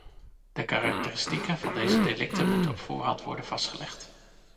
De karakteristieken van deze delicten moeten op voorhand worden vastgelegd.